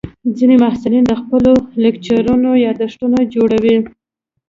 ځینې محصلین د خپلو لیکچرونو یادښتونه جوړوي.